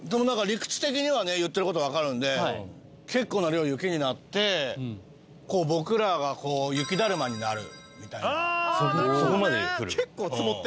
理屈的にはね言ってることわかるんで結構な量雪になって僕らが雪だるまになるみたいなそこまで降る？